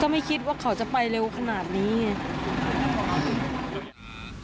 ไม่คิดว่าเขาจะไปเร็วขนาดนี้ไง